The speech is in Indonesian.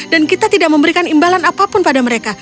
dan kita tidak memberikan imbalan apapun pada mereka